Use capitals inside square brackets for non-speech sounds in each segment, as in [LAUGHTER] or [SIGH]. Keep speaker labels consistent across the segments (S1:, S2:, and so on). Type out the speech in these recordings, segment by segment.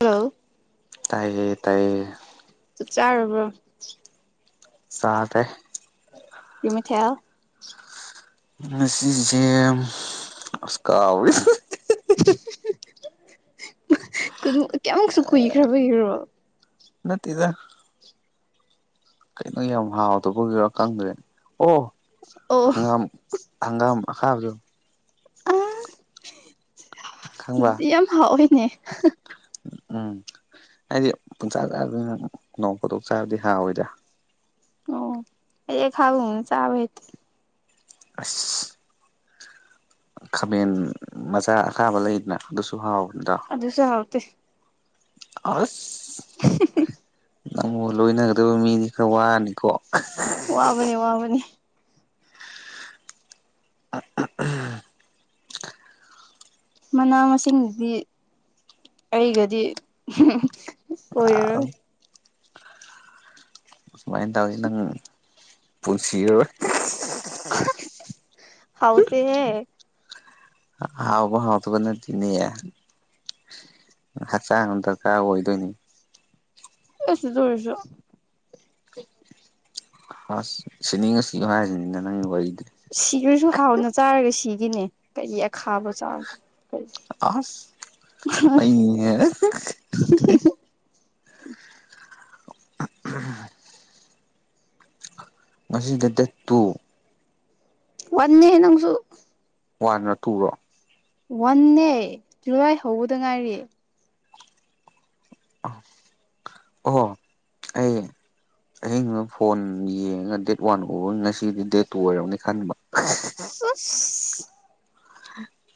S1: ꯂꯣ
S2: ꯇꯥꯏꯌꯦ ꯇꯥꯏꯌꯦ
S1: ꯆꯥꯛ ꯆꯥꯔꯕ꯭ꯔꯣ
S2: ꯆꯥꯗ꯭ꯔꯦ
S1: ꯀ꯭ꯔꯤ ꯃꯊꯦꯜ
S2: ꯉꯁꯤꯁꯦ ꯑꯁ ꯀꯥꯎꯋꯤ
S1: ꯀꯌꯥꯃꯨꯛꯁꯨ ꯀꯨꯏꯈ꯭ꯔꯕꯒꯤꯔꯣ
S2: ꯅꯠꯇꯦꯗ ꯀꯩꯅꯣ ꯌꯥꯝ ꯍꯥꯎꯗꯕꯒꯤꯔꯣ ꯀꯪꯗ꯭ꯔꯦ ꯑꯣ
S1: ꯑꯣ
S2: ꯍꯪꯒꯥꯝ ꯍꯪꯒꯥꯝ ꯑꯈꯥꯕꯗꯣ
S1: ꯑꯥ
S2: ꯈꯪꯕ
S1: ꯑꯗꯨꯗꯤ ꯌꯥꯝ ꯍꯥꯎꯋꯤꯅꯦ
S2: ꯎꯝ ꯍꯥꯏꯗꯤ ꯄꯨꯟꯆꯥꯥ ꯆꯥ [UNINTELLIGIBLE] ꯅꯣꯡ ꯐꯗꯣꯛ ꯆꯥꯕꯗꯤ ꯍꯥꯎꯋꯤꯗ
S1: ꯑꯣ ꯑꯩ ꯑꯈꯥꯕ [UNINTELLIGIBLE] ꯆꯥꯕ ꯍꯩꯇꯦ
S2: ꯑꯥꯁ ꯈꯥꯃꯦꯟ ꯃꯆꯥ ꯑꯀꯥꯕ ꯂꯩꯗꯅ ꯑꯗꯨꯁꯨ ꯍꯥꯎꯕꯅꯤꯗꯣ
S1: ꯑꯗꯨꯁꯨ ꯍꯥꯎꯇꯦ
S2: ꯑꯥꯁ
S1: [UNINTELLIGIBLE]
S2: ꯅꯪꯃꯣ ꯂꯣꯏꯅꯒꯗꯕ ꯃꯤꯅꯤ ꯈꯔ ꯋꯥꯔꯅꯤꯀꯣ
S1: ꯋꯥꯕꯅꯤ ꯋꯥꯕꯅꯤ
S2: ꯑ ꯑ [UNINTELLIGIBLE]
S1: ꯃꯅꯥ ꯃꯁꯤꯡꯗꯤ ꯑꯩꯒꯗꯤ ꯑꯣꯏꯔꯔꯣꯏ
S2: ꯁꯨꯃꯥꯏ ꯇꯧꯔꯗꯤ ꯅꯪ ꯄꯨꯟꯁꯤꯔꯔꯣꯏ
S1: ꯍꯥꯎꯇꯦ ꯍꯦ
S2: ꯍꯥꯎꯕ ꯍꯥꯎꯇꯕ ꯅꯠꯇꯦꯅꯦ ꯍꯛꯆꯥꯡ ꯗꯔꯀꯥꯔ ꯑꯣꯏꯗꯣꯏꯅꯤ
S1: ꯑꯁ ꯑꯗꯨ ꯑꯣꯏꯔꯁꯨ
S2: ꯑꯥꯁ ꯁꯤꯅꯤꯡꯉ ꯁꯤꯌꯣ ꯍꯥꯏꯁꯤꯅꯤꯅ ꯅꯪꯒꯤ ꯋꯥꯔꯤꯗꯨꯗꯤ
S1: ꯁꯤꯈ꯭ꯔꯁꯨ ꯍꯥꯎꯅ ꯆꯥꯔꯒ ꯁꯤꯒꯤꯅꯦ ꯀꯔꯤ ꯑꯈꯥꯕ ꯆꯥꯕ
S2: ꯑꯥꯁ ꯑꯩꯅꯦ
S1: [INAUDIBLE] [UNINTELLIGIBLE]
S2: ꯉꯁꯤꯗ ꯗꯦꯠ ꯇꯨ
S1: ꯋꯥꯟꯦꯍꯦ ꯅꯪꯁꯨ
S2: ꯋꯥꯟ ꯔꯣ ꯇꯨꯔꯣ
S1: ꯋꯥꯟꯅꯦ ꯖꯨꯜꯂꯥꯏ ꯍꯧꯕꯗ ꯉꯥꯏꯔꯤ
S2: ꯑꯣ ꯑꯩ ꯑꯩꯅ ꯑꯕ ꯐꯣꯟ ꯌꯦꯡꯉꯒ ꯗꯦꯠ ꯋꯥꯟ ꯑꯣ ꯎꯕꯅꯤ ꯉꯁꯤꯒꯤꯗꯤ ꯗꯦꯠ ꯇꯨ ꯑꯣꯏꯔꯕꯅꯤ ꯈꯟꯕ
S1: ꯑ [INAUDIBLE]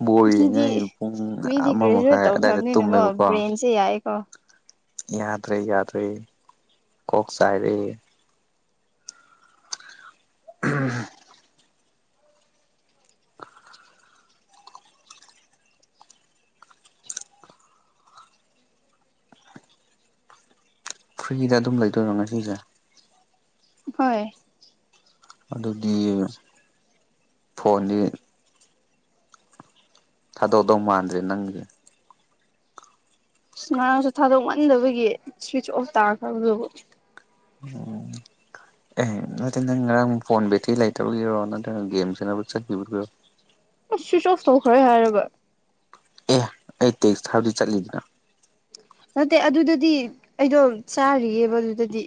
S2: ꯕꯣꯏ
S1: ꯃꯤꯗꯤ
S2: ꯌꯦꯡꯉꯩ ꯄꯨꯡ
S1: ꯃꯤꯗꯤ
S2: ꯑꯃ ꯃꯈꯥꯏ ꯑꯋꯥꯏꯗ ꯇꯨꯝꯃꯦꯕꯀꯣ
S1: ꯁꯤ ꯌꯥꯏꯌꯦꯀꯣ
S2: ꯌꯥꯗ꯭ꯔꯦ ꯌꯥꯗ꯭ꯔꯦ ꯀꯣꯛ ꯆꯥꯏꯔꯦ ꯎꯝ ꯐ꯭ꯔꯤꯗ ꯑꯗꯨꯝ ꯂꯩꯗꯣꯏꯅꯣ ꯉꯁꯤꯁꯦ
S1: ꯍꯣꯏ
S2: ꯑꯗꯨꯗꯤ ꯐꯣꯟꯗꯤ ꯊꯥꯗꯧꯗꯧ ꯃꯥꯟꯗ꯭ꯔꯦ ꯅꯪꯒꯤꯗꯨꯗꯤ
S1: ꯉꯔꯥꯡꯁꯨ ꯊꯥꯗꯣꯛꯃꯟꯗꯕꯒꯤ ꯁ꯭ꯋꯤꯁ ꯑꯣꯐ ꯇꯥꯔꯈ꯭ꯔꯕꯗꯨꯕꯨ
S2: ꯑꯣ ꯑꯦ ꯅꯠꯇꯦ ꯅꯪ ꯉꯔꯥꯡ ꯐꯣꯟ ꯕꯦꯇ꯭ꯔꯤ ꯂꯩꯇꯕꯒꯤꯔꯣ ꯅꯠꯇ꯭ꯔꯒ ꯒꯦꯝ ꯁꯟꯅꯥꯕ ꯆꯠꯈꯤꯕꯒꯤꯔꯣ
S1: ꯑꯁ ꯁꯨ꯭ꯏꯁꯑꯣꯐ ꯇꯧꯈ꯭ꯔꯦ ꯍꯥꯏꯔꯒ
S2: ꯑꯦ ꯑꯩ ꯇꯦꯛꯁ ꯊꯥꯕꯗꯤ ꯆꯠꯂꯤꯕ꯭ꯔꯥ
S1: ꯅꯠꯇꯦ ꯑꯗꯨꯗꯗꯤ ꯑꯩꯗꯣ ꯆꯥꯔꯤꯑꯦꯕ ꯑꯗꯨꯗꯗꯤ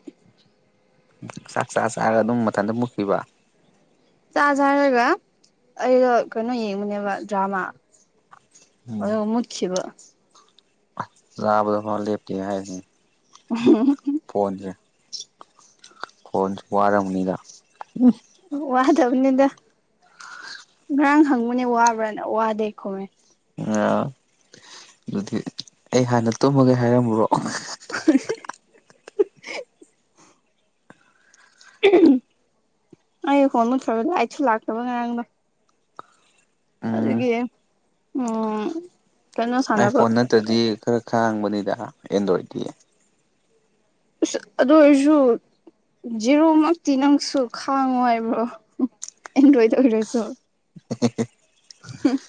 S2: ꯆꯥꯛ ꯆꯥ ꯆꯥꯔꯒ ꯑꯗꯨꯝ ꯃꯊꯟꯇ ꯃꯨꯛꯈꯤꯕ
S1: ꯆꯥꯖ ꯖꯥꯔꯒ ꯑꯩꯗꯣ ꯀꯩꯅꯣ ꯌꯦꯡꯕꯅꯦꯕ ꯗ꯭ꯔꯃꯥ ꯑꯗꯣ ꯃꯨꯠꯈꯤꯕ
S2: ꯆꯥꯕꯗ ꯐꯥꯎ ꯂꯦꯞꯇꯦ ꯍꯥꯏꯅꯦ
S1: ꯎ [INAUDIBLE]
S2: ꯐꯣꯟꯁꯦ ꯐꯣꯟꯁꯨ ꯋꯥꯔꯝꯅꯤꯗ
S1: ꯋꯥꯗꯕꯅꯤꯗ ꯉꯔꯥꯡ ꯍꯪꯕꯅꯦ ꯋꯥꯕ꯭ꯔꯅ ꯋꯥꯗꯦ ꯈꯨꯝꯃꯦ
S2: ꯑ ꯑꯗꯨꯗꯤ ꯑꯩ ꯍꯥꯟꯅ ꯇꯨꯝꯃꯒꯦ ꯍꯥꯏꯔꯝꯃꯨꯔꯣ
S1: [INAUDIBLE] [UNINTELLIGIBLE] ꯑꯩ ꯐꯣꯟ ꯃꯨꯠꯈ꯭ꯔꯒ ꯂꯥꯏꯇꯁꯨ ꯂꯥꯛꯇꯕ ꯉꯔꯥꯡꯗꯣ
S2: ꯎꯝ
S1: ꯑꯗꯨꯒꯤ ꯎꯝ ꯀꯩꯅꯣ ꯁꯥꯟꯅꯕ
S2: ꯑꯥꯏꯐꯣꯟ ꯅꯠꯇ꯭ꯔꯗꯤ ꯈꯔ ꯈꯥꯡꯕꯅꯤꯗ ꯑꯦꯟꯗ꯭ꯔꯣꯏꯗꯇꯤ
S1: ꯑꯁ ꯑꯗꯨ ꯑꯣꯏꯔꯁꯨ ꯖꯦꯔꯣꯃꯛꯇꯤ ꯅꯪꯁꯨ ꯈꯥꯡꯉꯣ ꯍꯥꯏꯕ꯭ꯔꯣ ꯑꯦꯟꯗ꯭ꯔꯣꯏꯗ ꯑꯣꯏꯔꯁꯨ
S2: [UNINTELLIGIBLE]
S1: ꯍꯨꯡ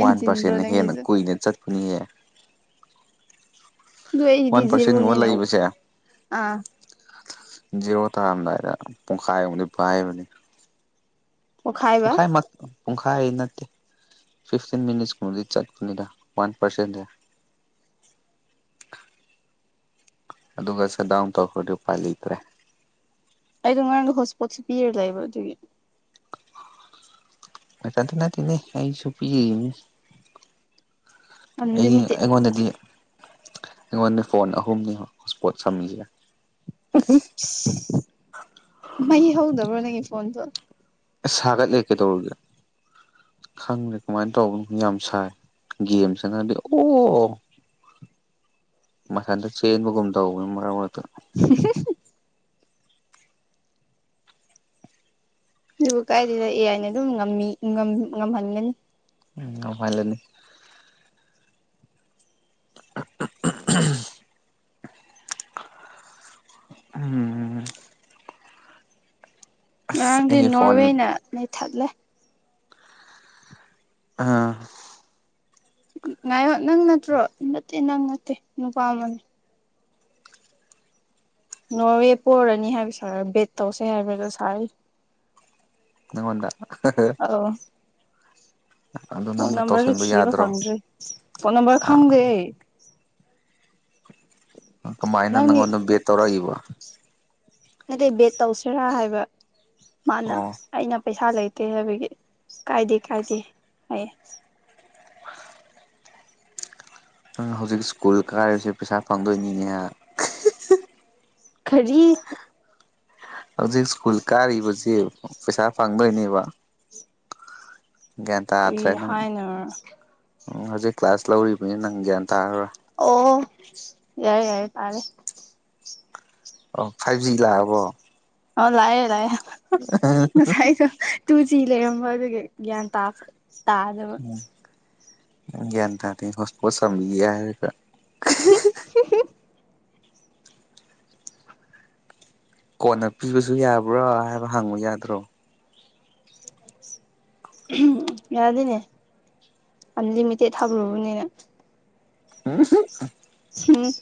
S2: ꯋꯥꯟ ꯄꯥꯔꯁꯦꯟꯅ ꯍꯦꯟꯅ ꯀꯨꯏꯅ ꯆꯠꯄꯅꯤꯍꯦ
S1: ꯑꯗꯨ
S2: ꯋꯥꯟ
S1: ꯑꯩꯒꯤꯗꯤ
S2: ꯄꯥꯔꯁꯦꯟꯒꯨꯝꯕ
S1: ꯖꯦꯔꯣꯅꯤꯅ
S2: ꯂꯩꯕꯁꯦ
S1: ꯑꯥ
S2: ꯖꯤꯔꯣ ꯇꯥꯔꯝꯗꯥꯏꯗ ꯄꯨꯡꯈꯥꯏ ꯑꯃꯗꯤ ꯄꯥꯏꯕꯅꯤ
S1: ꯄꯣꯛꯈꯥꯏꯕ
S2: ꯄꯨꯡꯈꯥꯏꯃꯛ ꯄꯨꯡꯈꯥꯏ ꯅꯠꯇꯦ ꯐꯤꯐꯇꯤꯟ ꯃꯤꯅꯤꯠꯁ ꯀꯨꯝꯕꯗꯤ ꯆꯠꯄꯅꯤꯗꯥ ꯋꯥꯟ ꯄꯔꯁꯦꯟꯗꯤ ꯑꯗꯨꯒ ꯁꯠꯗꯥꯎꯟ ꯇꯧꯈ꯭ꯔꯗꯤ ꯎꯄꯥꯏ ꯂꯩꯇ꯭ꯔꯦ
S1: ꯑꯩꯗꯣ ꯉꯔꯥꯡꯗꯣ ꯍꯣꯠꯁꯄꯣꯠꯁ ꯄꯤꯔ ꯂꯩꯕ ꯑꯗꯨꯒꯤ
S2: ꯅꯊꯟꯇꯥ ꯅꯠꯇꯦꯅꯦ ꯑꯩꯁꯨ ꯄꯤꯔꯤꯝꯅꯤ ꯑꯩ
S1: ꯑꯟꯂꯤꯃꯤꯇꯦꯠ
S2: ꯑꯩꯉꯣꯟꯗꯗꯤ ꯑꯩꯉꯣꯟꯗ ꯐꯣꯟ ꯑꯍꯨꯝꯅꯤ ꯍꯣꯠꯁꯄꯣꯠ ꯁꯝꯃꯤꯁꯦ
S1: ꯃꯩ ꯍꯧꯗꯕ꯭ꯔꯣ ꯅꯪꯒꯤ ꯐꯣꯟꯗꯣ
S2: ꯑꯁ ꯁꯥꯒꯠꯂꯦ ꯀꯩꯗꯧꯔꯒꯦ ꯈꯪꯗꯦ ꯀꯃꯥꯏꯟ ꯇꯧꯕꯅꯣ ꯌꯥꯝ ꯁꯥꯏ ꯒꯦꯝ ꯁꯥꯟꯅꯔꯗꯤ ꯑꯣ ꯃꯊꯟꯗ ꯆꯦꯟꯕꯒꯨꯝ ꯇꯧꯕꯅꯦ ꯃꯔꯛ ꯃꯔꯛꯇ
S1: [UNINTELLIGIBLE] ꯑꯗꯨꯕꯨ ꯀꯥꯏꯗꯩꯅꯣ ꯑꯦ ꯑꯥꯏꯅ ꯑꯗꯨꯝ ꯉꯝꯃꯤ ꯉꯝ ꯉꯝꯍꯟꯒꯅꯤ
S2: ꯎꯝ ꯉꯝꯍꯜꯂꯅꯤ [UNINTELLIGIBLE] ꯎꯝ ꯑꯁ
S1: ꯉꯔꯥꯡꯗꯤ
S2: ꯑꯩꯒꯤ ꯐꯣꯟ
S1: ꯅꯣꯔꯋꯦꯅ ꯅꯩꯊꯠꯂꯦ
S2: ꯑꯥ
S1: ꯉꯥꯏꯌꯣ ꯅꯪ ꯅꯠꯇ꯭ꯔꯣ ꯅꯠꯇꯦ ꯅꯪ ꯅꯠꯇꯦ ꯅꯨꯄꯥ ꯑꯃꯅꯤ ꯅꯣꯔꯋꯦ ꯄꯣꯔꯅꯤ ꯍꯥꯏꯕ ꯁꯥꯏ ꯕꯦꯠ ꯇꯧꯁꯦ ꯍꯥꯏꯕꯗ ꯁꯥꯏ
S2: ꯅꯉꯣꯟꯗ
S1: ꯑꯧ
S2: ꯑꯗꯨ
S1: ꯐꯣꯟ
S2: ꯅꯪꯁꯨ
S1: ꯅꯝꯕꯔꯁꯨ
S2: ꯇꯧꯁꯤꯟꯕ
S1: ꯊꯤꯕ
S2: ꯌꯥꯗ꯭ꯔꯣ
S1: ꯐꯪꯗ꯭ꯔꯦ ꯐꯣꯟ ꯅꯝꯕꯔ
S2: ꯑꯥ
S1: ꯈꯪꯗꯦ
S2: ꯑ ꯀꯃꯥꯏꯅ ꯅꯪꯉꯣꯟꯗ ꯕꯦꯠ ꯇꯧꯔꯛꯏꯕ
S1: ꯅꯠꯇꯩ ꯕꯦꯠ ꯇꯧꯁꯤꯔꯥ ꯍꯥꯏꯕ ꯃꯥꯅ
S2: ꯑꯣ
S1: ꯑꯩꯅ ꯄꯩꯁꯥ ꯂꯩꯇꯦ ꯍꯥꯏꯕꯒꯤ ꯀꯥꯏꯗꯦ ꯀꯥꯏꯗꯦ ꯍꯥꯏꯌꯦ
S2: ꯅꯪ ꯍꯧꯖꯤꯛ ꯁ꯭ꯀꯨꯜ ꯀꯥꯔꯤꯁꯦ ꯄꯩꯁꯥ ꯐꯪꯗꯣꯏꯅꯤꯅꯦ ꯍꯥ
S1: ꯀꯔꯤ
S2: ꯍꯧꯖꯤꯛ ꯁ꯭ꯀꯨꯜ ꯀꯥꯔꯤꯕꯁꯤ ꯄꯩꯁꯥ ꯐꯪꯗꯣꯏꯅꯦꯕ ꯒ꯭ꯌꯥꯟ
S1: ꯀꯔꯤ
S2: ꯇꯥꯗ꯭ꯔꯦ ꯅꯪ
S1: ꯍꯥꯏꯅꯣ
S2: ꯍꯧꯖꯤꯛ ꯀ꯭ꯂꯥꯁ ꯂꯧꯔꯤꯕꯅꯤꯅ ꯅꯪ ꯒ꯭ꯌꯥꯟ ꯇꯥꯔꯔꯣꯏ
S1: ꯑꯣ ꯌꯥꯔꯦ ꯌꯥꯔꯦ ꯇꯥꯔꯦ
S2: ꯑꯣ ꯐꯥꯏꯚ ꯖꯤ ꯂꯥꯛꯑꯕꯣ
S1: ꯑꯧ ꯂꯥꯛꯑꯦ ꯂꯥꯛꯑꯦ ꯉꯁꯥꯏꯁꯨ ꯇꯨ ꯖꯤ ꯂꯩꯔꯝꯕ ꯑꯗꯨꯒꯤ ꯒ꯭ꯌꯥꯟ ꯇꯥꯄ ꯇꯥꯗꯕ
S2: ꯒꯌ꯭ꯥꯟ ꯇꯥꯗꯦ ꯍꯣꯠꯁꯄꯣꯠ ꯁꯝꯃꯤ ꯍꯥꯏꯔꯒ
S1: [UNINTELLIGIBLE]
S2: ꯀꯣꯟꯅ ꯄꯤꯕꯁꯨ ꯌꯥꯕ꯭ꯔꯥ ꯍꯥꯏꯕ ꯍꯪꯕ ꯌꯥꯗ꯭ꯔꯣ
S1: ꯌꯥꯔꯗꯦꯅꯦ ꯑꯟꯂꯤꯃꯤꯇꯦꯠ ꯊꯥꯕꯤꯔꯨꯕꯅꯤꯅ
S2: [UNINTELLIGIBLE]
S1: ꯎꯝ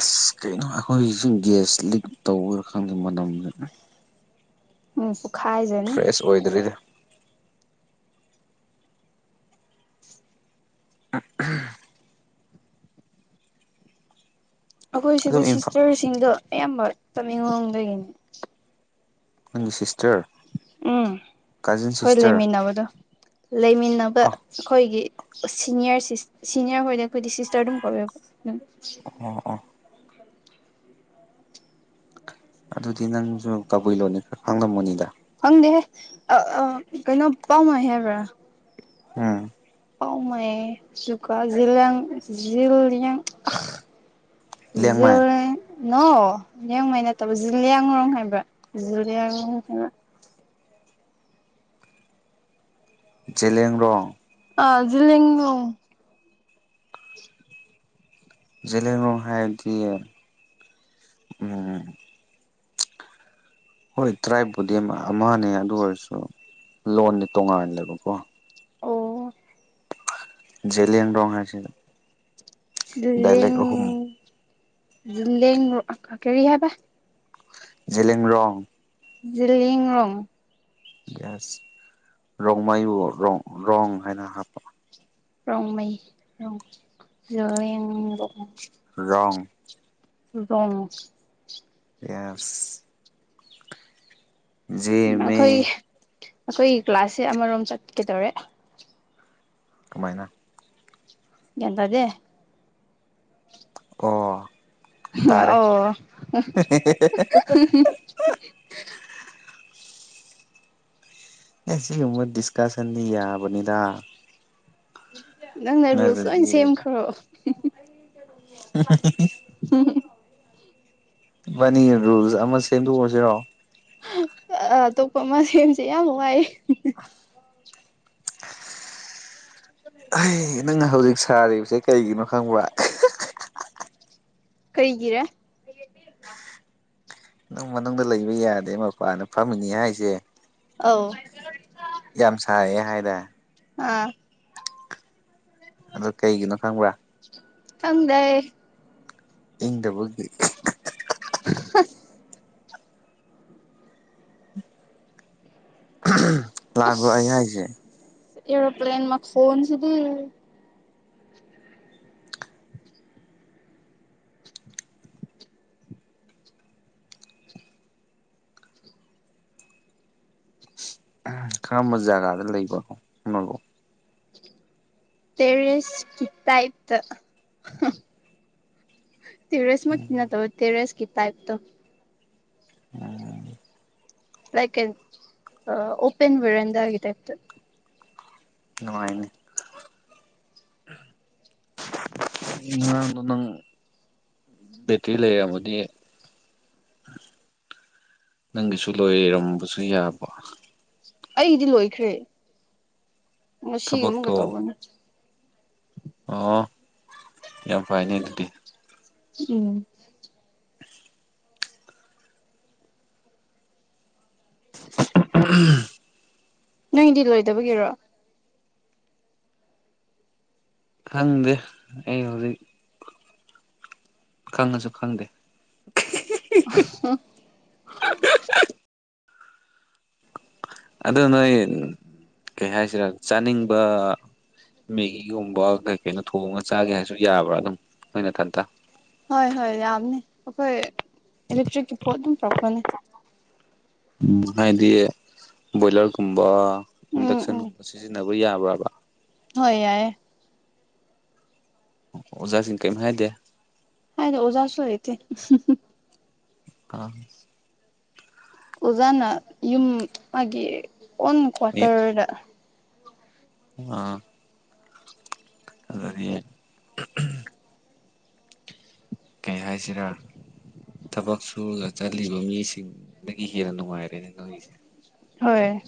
S2: ꯑꯁ ꯀꯩꯅꯣ ꯑꯩꯈꯣꯏꯒꯤꯁꯨ ꯒ꯭ꯌꯥꯁ ꯂꯤꯛ ꯇꯧꯕꯔꯥ ꯈꯪꯗꯦ ꯃꯅꯝꯗꯨ
S1: ꯎꯝ ꯄꯣꯛꯈꯥꯏꯖꯅꯤ
S2: ꯑꯦꯁ ꯑꯣꯏꯗ꯭ꯔꯤꯗ [UNINTELLIGIBLE]
S1: ꯑꯩꯈꯣꯏ
S2: ꯑꯗꯣ
S1: ꯁꯤꯗ
S2: ꯏꯝꯐꯥ
S1: ꯁꯤꯁꯇꯔꯁꯤꯡꯗꯣ ꯑꯌꯥꯝꯕ ꯇꯝꯃꯤꯡꯂꯣꯡꯗꯒꯤꯅꯤ
S2: ꯁꯤꯁꯇꯔ
S1: ꯎꯝ
S2: ꯀꯥꯖꯤꯟ
S1: ꯍꯣꯏ
S2: ꯁꯤꯁꯇꯔ
S1: ꯂꯩꯃꯤꯟꯅꯕꯗꯣ ꯂꯩꯃꯤꯟꯅꯕ
S2: ꯑ
S1: ꯑꯩꯈꯣꯏꯒꯤ ꯁꯤꯅꯤꯌꯔ ꯁꯤꯅꯤꯌꯔ ꯍꯣꯏꯗꯤ ꯑꯩꯈꯣꯏꯗꯤ ꯁꯤꯁꯇꯔ ꯑꯗꯨꯝ ꯀꯧꯋꯦꯕ ꯎꯝ
S2: ꯑꯣ ꯑꯣ
S1: [INAUDIBLE]
S2: ꯑꯗꯨꯗꯤ ꯅꯪꯁꯡꯖꯨ ꯀꯕꯨꯏꯂꯣꯟꯗꯤ ꯈꯔ ꯈꯥꯡꯂꯝꯂꯅꯤꯗ
S1: ꯈꯪꯗꯦꯍꯦ ꯑ ꯀꯩꯅꯣ ꯄꯥꯎꯃ ꯍꯥꯏꯕ꯭ꯔꯥ
S2: ꯎꯝ
S1: ꯄꯥꯎꯃꯥꯏ ꯁꯖꯨꯀꯥꯖꯤꯂꯡ ꯖꯤꯂꯤꯡ
S2: ꯂꯦꯡꯃꯥꯏ
S1: [UNINTELLIGIBLE] ꯅꯣ ꯂꯤꯌꯥꯡꯃꯩ ꯅꯠꯇꯕ ꯖꯨꯂꯤꯌꯥ ꯉꯔꯣꯡ ꯍꯥꯏꯕ꯭ꯔꯥ ꯖꯨꯂꯤꯌꯥꯣꯡ ꯍꯥꯏꯕ꯭ꯔꯥ
S2: ꯖꯦꯂꯦꯡꯔꫭꯡ
S1: ꯑꯥ ꯖꯤꯂꯤꯌꯥꯡꯔꫭꯡ
S2: ꯖꯦꯂꯦꯟꯔꫭꯡ ꯍꯥꯏꯔꯗꯤ ꯎꯝ ꯍꯣꯏ ꯇ꯭ꯔꯥꯏꯞꯄꯨꯗꯤ ꯑꯃꯅꯦ ꯑꯗꯨ ꯑꯣꯏꯔꯁꯨ ꯂꯣꯟꯗꯤ ꯇꯣꯉꯥꯜꯂꯦꯕꯀꯣ
S1: ꯑꯣ
S2: ꯖꯤꯂꯦꯡꯔꫭꯡ ꯍꯥꯏꯁꯤꯗ
S1: ꯖꯦꯂꯦ ꯀꯔꯤ ꯍꯥꯏꯕ
S2: ꯖꯦꯂꯦꯡꯔꯣꯡ
S1: ꯖꯦꯂꯦꯡꯔꯣꯡ
S2: ꯒ꯭ꯌꯥꯁ ꯔꯣꯡꯃꯥꯏꯕꯨ ꯔꯣꯡ ꯍꯥꯏꯅ ꯍꯥꯞꯄ
S1: ꯔꯣꯡꯃꯩ ꯖꯦꯂꯦꯡꯔꫭꯡ
S2: ꯔꯣꯡ
S1: ꯔꫭꯡꯁ
S2: ꯌꯦꯁ
S1: ꯑꯩꯈꯣꯏꯒꯤ
S2: ꯖꯦꯃꯦ
S1: ꯑꯩꯈꯣꯏꯒꯤ ꯀ꯭ꯂꯥꯁꯁꯦ ꯑꯃꯔꯣꯝ ꯆꯠꯀꯦꯗꯧꯔꯦ
S2: ꯀꯃꯥꯏꯅ
S1: ꯒ꯭ꯌꯥꯟ ꯇꯥꯗꯦ
S2: ꯑꯣ ꯇꯥꯔꯦ
S1: ꯑꯣ [UNINTELLIGIBLE] [UNINTELLIGIBLE]
S2: ꯑꯦ ꯁꯤ ꯎꯝꯕ ꯗꯤꯁꯀꯁꯟꯅꯤ ꯌꯥꯕꯅꯤꯗ
S1: ꯅꯪꯅ ꯔꯨꯜ ꯂꫭꯏꯅ
S2: ꯅꯠꯇ꯭ꯔꯗꯤ
S1: ꯁꯦꯝꯈ꯭ꯔꯣ
S2: [INAUDIBLE]
S1: [UNINTELLIGIBLE]
S2: [UNINTELLIGIBLE] ꯔꯨꯜꯁ ꯑꯃ ꯁꯦꯝꯗꯣꯛꯑꯁꯤꯔꯣ
S1: ꯑ ꯑꯇꯣꯞꯄ ꯑꯃꯥ ꯁꯦꯝꯁꯦ ꯌꯥꯝ ꯋꯥꯏ
S2: ꯑꯦ ꯅꯪꯅ ꯍꯧꯖꯤꯛ ꯁꯥꯔꯤꯕꯁꯦ ꯀꯩꯒꯤꯅꯣ ꯈꯪꯕ꯭ꯔ [UNINTELLIGIBLE]
S1: ꯀꯩꯒꯤꯔ
S2: [UNINTELLIGIBLE] ꯃꯅꯨꯡꯗ ꯂꯩꯕ ꯌꯥꯗꯦ ꯃꯄꯥꯅꯗ ꯐꯝꯃꯅꯤ ꯍꯥꯏꯁꯦ
S1: ꯑꯧ [UNINTELLIGIBLE]
S2: ꯌꯥꯝ ꯁꯥꯏꯌꯦ ꯍꯥꯏꯔ [UNINTELLIGIBLE]
S1: ꯑꯥ [UNINTELLIGIBLE]
S2: ꯑꯗꯣ ꯀꯩꯒꯤꯅꯣ ꯈꯪꯕ꯭ꯔꯥ
S1: ꯈꯪꯗꯦ
S2: ꯏꯪꯗꯕꯒꯤ
S1: [UNINTELLIGIBLE]
S2: ꯎꯍꯝ [UNINTELLIGIBLE] ꯑꯩ ꯍꯥꯏꯁꯦ
S1: ꯑꯦꯔꯣ ꯄ꯭ꯂꯦꯟ ꯃꯈꯣꯟ ꯖꯤꯗꯤ
S2: [UNINTELLIGIBLE] ꯖꯒꯥꯗ ꯂꯩꯕ [UNINTELLIGIBLE]
S1: ꯇꯦꯔꯦꯁ ꯇꯥꯏꯞꯇ [UNINTELLIGIBLE] ꯇꯦꯔꯦꯁ ꯃꯛꯇꯤ ꯅꯠꯇꯕ ꯇꯦꯔꯦꯁꯀꯤ ꯇꯥꯏꯞꯇꯣ
S2: [UNINTELLIGIBLE]
S1: ꯂꯥꯏꯛ ꯑꯟ ꯑ ꯑꯣꯄꯟ ꯕꯦꯔꯟꯗꯥꯒꯤ ꯇꯥꯏꯞꯇ
S2: ꯅꯨꯡꯉꯥꯏꯅꯦ [UNINTELLIGIBLE] [UNINTELLIGIBLE] ꯉꯔꯥꯡꯗꯣ ꯅꯪ ꯕꯦꯇ꯭ꯔꯤ ꯂꯩꯔꯝꯃꯗꯤ [UNINTELLIGIBLE] ꯅꯪꯒꯤꯁꯨ ꯂꯣꯏꯔꯝꯕꯁꯨ ꯌꯥꯕ
S1: ꯑꯩꯗꯤ ꯂꯣꯏꯈ꯭ꯔꯦ ꯉꯁꯤ ꯑꯃꯨꯒ
S2: ꯊꯕꯛꯇꯣ
S1: ꯇꯧꯕꯅꯦ꯫
S2: ꯑꯣ ꯌꯥꯝ ꯐꯥꯏꯅꯦ ꯗꯨꯗꯤ
S1: ꯎꯝ
S2: [UNINTELLIGIBLE]
S1: ꯅꯪꯗꯤ ꯂꯣꯏꯗꯕꯒꯤꯔꯣ?
S2: ꯈꯪꯗꯦ ꯑꯩ ꯍꯧꯖꯤꯛ ꯈꯪꯉꯁꯨ ꯈꯪꯗꯦ꯫
S1: [UNINTELLIGIBLE]
S2: ꯑꯗꯨ ꯅꯣꯏ ꯀꯩ ꯍꯥꯏꯁꯤꯔꯥ ꯆꯥꯅꯤꯡꯕ ꯃꯦꯒꯤꯒꯨꯝꯕ ꯀꯩ ꯀꯩꯅꯣ ꯊꯣꯡꯉꯒ ꯆꯥꯒꯦ ꯍꯥꯏꯁꯨ ꯌꯥꯕ꯭ꯔꯥ ꯑꯗꯨꯝ ꯅꯣꯏꯅꯊꯟꯇ
S1: ꯍꯣꯏ ꯍꯣꯏ ꯌꯥꯝꯅꯤ ꯑꯈꯣꯏ ꯏꯂꯦꯛꯇ꯭ꯔꯤꯛꯀꯤ ꯄꯣꯠ ꯗꯨꯝ ꯄꯨꯔꯛꯄꯅꯦ꯫
S2: ꯎꯝ ꯍꯥꯏꯗꯤ ꯕꯣꯏꯂꯔꯒꯨꯝꯕ
S1: ꯎꯝ ꯎꯝ
S2: ꯏꯟꯗꯛꯁꯟꯒꯨꯝꯕ ꯁꯤꯖꯤꯟꯅꯕ ꯌꯥꯕ꯭ꯔꯥꯕ?
S1: ꯍꯣꯏ ꯌꯥꯏꯌꯦ꯫
S2: ꯑꯣ ꯑꯣꯖꯥꯁꯤꯡ ꯀꯩꯝ ꯍꯥꯏꯗꯦ
S1: ꯍꯥꯏꯗꯦ ꯑꯣꯖꯥꯁꯨ ꯂꯩꯇꯦ [UNINTELLIGIBLE]
S2: ꯑꯥ
S1: ꯑꯣꯖꯥꯅ ꯌꯨꯝ ꯃꯥꯒꯤ ꯑꯣꯟ ꯀ꯭ꯋꯥꯇꯔꯗ
S2: ꯑ [UNINTELLIGIBLE] ꯀꯩ ꯍꯥꯏꯁꯤꯔꯥ ꯊꯕꯛ ꯁꯨꯔꯒ ꯆꯠꯂꯤꯕ ꯃꯤꯁꯤꯡ ꯗꯒꯤ ꯍꯦꯟꯅ ꯅꯨꯡꯉꯥꯏꯔꯦꯅꯦ ꯅꯣꯏꯒꯤꯁꯦ꯫
S1: ꯍꯣꯏ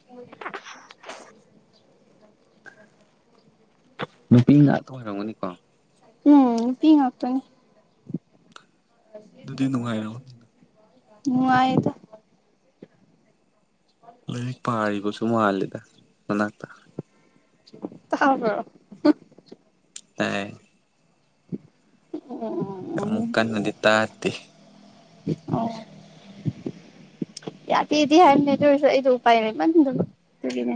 S1: [UNINTELLIGIBLE]
S2: ꯅꯨꯄꯤ ꯉꯥꯛꯇ ꯑꯣꯏꯔꯝꯒꯅꯤꯀꯣ
S1: ꯎꯝ ꯅꯨꯄꯤ ꯉꯥꯛꯇꯥꯅꯦ [UNINTELLIGIBLE]
S2: ꯗꯨꯗꯤ ꯅꯨꯡꯉꯥꯏꯔꯣ
S1: ꯅꯨꯉꯥꯏꯗ [INAUDIBLE]
S2: ꯂꯥꯏꯔꯤꯛ ꯄꯥꯔꯤꯕꯁꯨ ꯃꯥꯜꯂꯤ ꯃꯅꯥꯛꯇ
S1: ꯇꯥꯕ꯭ꯔꯣ?
S2: ꯇꯥꯏꯌꯦ
S1: [UNINTELLIGIBLE] ꯑꯣ ꯑꯣ
S2: ꯑꯃꯨꯛ ꯀꯟꯅꯗꯤ ꯇꯥꯗꯦ
S1: ꯑꯣ ꯑꯧ ꯌꯥꯗꯦꯗꯤ ꯍꯥꯏꯕꯅꯦ ꯑꯗꯣꯏꯁꯨ ꯑꯩꯗꯣ ꯎꯄꯥꯏ ꯂꯩꯃꯟꯗꯕ ꯑꯗꯨꯒꯤꯅꯦ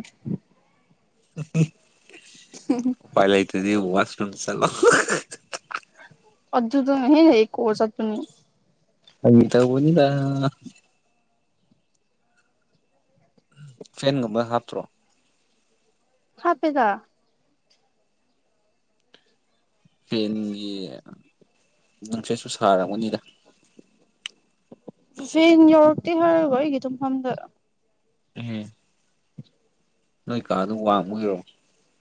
S2: ꯎꯄꯥꯏ ꯂꯩꯇ꯭ꯔꯗꯤ ꯋꯥꯁ ꯔꯨꯝ ꯆꯠꯂꯣ [UNINTELLIGIBLE]
S1: ꯑꯗꯨꯗꯨꯅ ꯍꯦꯟꯅ ꯏꯀꯣ ꯆꯠꯄꯅꯤ
S2: ꯐꯥꯒꯤ ꯇꯧꯕꯅꯤꯗ ꯐꯦꯟꯒꯨꯝꯕ ꯍꯥꯞꯇꯔꯣ?
S1: ꯍꯥꯞꯄꯦꯗ
S2: ꯐꯦꯟꯒꯤ ꯅꯨꯡꯁꯤꯠꯁꯨ ꯁꯥꯔꯝꯒꯅꯤꯗ
S1: ꯐꯦꯟ ꯌꯧꯔꯛꯇꯦ ꯍꯥꯏꯔꯒ ꯑꯩꯒꯤ ꯇꯨꯝꯐꯝꯗ
S2: ꯏꯍꯦ ꯅꯣꯏ ꯀꯥꯗꯨ ꯋꯥꯡꯕꯒꯤꯔꯣ?